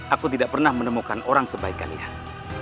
aku tidak pernah menemukan orang sebaik kalian